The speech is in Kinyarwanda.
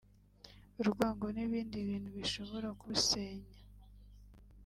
urwango n’ibindi bintu bishobora kurusenya